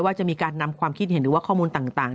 ว่าจะมีการนำความคิดเห็นหรือว่าข้อมูลต่าง